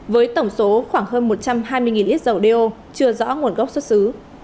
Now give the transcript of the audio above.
với tổng số khoảng hơn một trăm hai mươi lít dầu đeo chưa rõ nguồn gốc xuất xứ